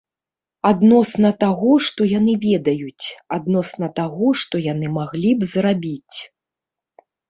Адносна таго, што яны ведаюць, адносна таго, што яны маглі б зрабіць.